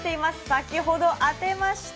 先ほど当てました